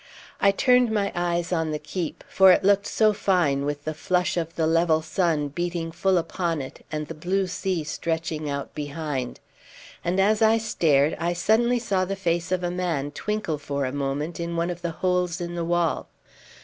I turned my eyes on the keep, for it looked so fine with the flush of the level sun beating full upon it and the blue sea stretching out behind; and as I stared, I suddenly saw the face of a man twinkle for a moment in one of the holes in the wall.